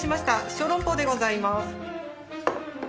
小籠包でございます。